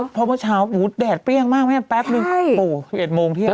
เพราะเมื่อเช้าแดดเปรี้ยงมากแม่แป๊บนึง๑๑โมงเที่ยง